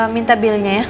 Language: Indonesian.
minta bilnya ya